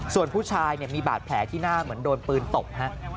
ส่วนผู้ชายมีบาดแผลที่หน้าเหมือนโดนปืนตบ